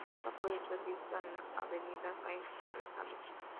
Costa, puede ser vista en la avenida Saint-Alexandre.